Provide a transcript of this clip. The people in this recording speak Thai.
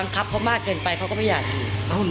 ครับเขามากเกินไปเขาก็ไม่อยากอยู่